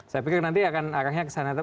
saya pikir nanti akan arahnya kesana